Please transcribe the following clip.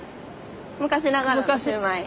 「昔ながらのシウマイ」